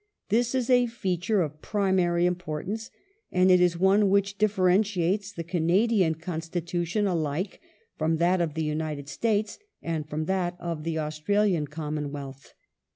This is a feature of primary importance, and it is one which differentiates the Canadian Constitution alike from that of the United States, and from that of the Australian Commonwealth.